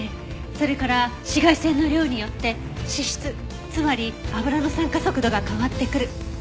それから紫外線の量によって脂質つまりあぶらの酸化速度が変わってくる。